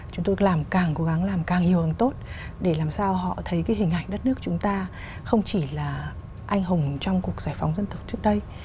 chúng tôi làm càng cố gắng làm càng nhiều càng tốt để làm sao họ thấy cái hình ảnh đất nước chúng ta không chỉ là anh hùng trong cuộc giải phóng dân tộc trước đây